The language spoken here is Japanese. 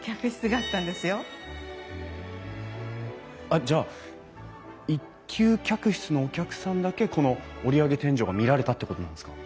あっじゃあ１級客室のお客さんだけこの折り上げ天井が見られたってことなんですか？